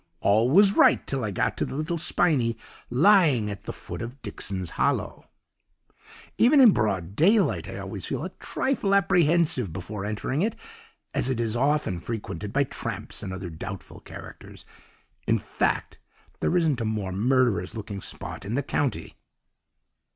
all was right till I got to the little spinney lying at the foot of Dickson's Hollow. "'Even in broad daylight I always feel a trifle apprehensive before entering it, as it is often frequented by tramps and other doubtful characters: in fact, there isn't a more murderous looking spot in the county.